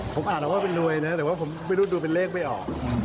ผมอ่านออกมันเป็นรวยนะแต่ผมไม่ดูเป็นเลขไปออก